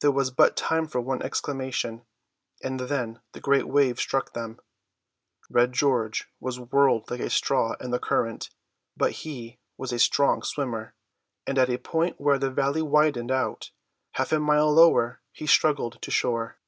There was but time for one exclamation, and then the great wave struck them. Red George was whirled like a straw in the current; but he was a strong swimmer, and at a point where the valley widened out, half a mile lower, he struggled to shore.